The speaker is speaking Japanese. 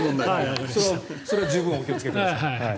それは十分お気をつけください。